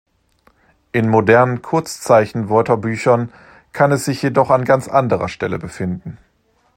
In modernen Kurzzeichen-Wörterbüchern kann es sich jedoch an ganz anderer Stelle befinden.